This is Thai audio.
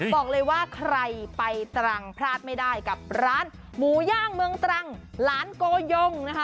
บอกเลยว่าใครไปตรังพลาดไม่ได้กับร้านหมูย่างเมืองตรังหลานโกยงนะคะ